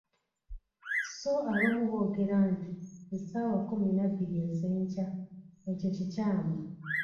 So abamu boogera nti "essaawa kkumi na bbiri ez'enkya", ekyo kikyamu.